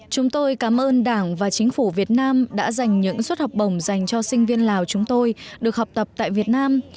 chúng tôi cảm ơn đảng và chính phủ việt nam đã dành những suất học bổng dành cho sinh viên lào chúng tôi được học tập tại việt nam